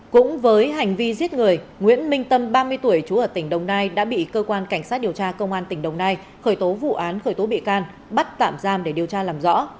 cũng với hành vi giết người nguyễn minh tâm ba mươi tuổi chú ở tỉnh đồng nai đã bị cơ quan cảnh sát điều tra công an tỉnh đồng nai khởi tố vụ án khởi tố bị can bắt tạm giam để điều tra làm rõ